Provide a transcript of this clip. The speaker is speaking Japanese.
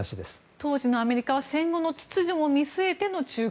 当時のアメリカは戦後の秩序を見据えての仲介。